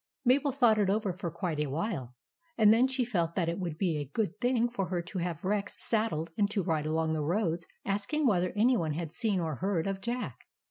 Mabel thought it over for quite a while; and then she felt that it would be a good thing for her to have Rex sad dled and to ride along the roads asking whether any one had seen or heard of Jack.